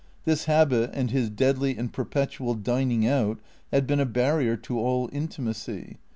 This habit and his deadly and perpetual dining out, liad been a barrier to all intimacy.